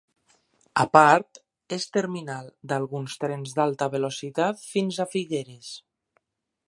A part, és terminal d'alguns trens d'alta velocitat fins a Figueres.